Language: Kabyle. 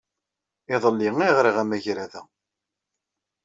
Iḍelli ay ɣriɣ amagrad-a.